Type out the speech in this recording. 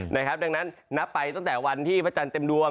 ดังนั้นนับไปตั้งแต่วันที่พระจันทร์เต็มดวง